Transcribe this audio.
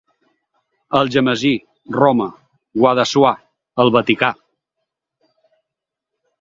Algemesí, Roma; Guadassuar, el Vaticà.